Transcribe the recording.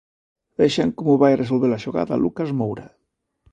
Vexan como vai resolver a xogada Lucas Moura.